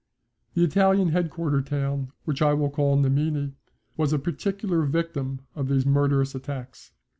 The Italian headquarter town, which I will call Nemini, was a particular victim of these murderous attacks.